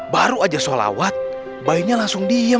baru aja sholawat bayinya langsung diam